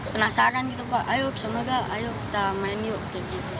penasaran gitu pak ayo kesana dah ayo kita main yuk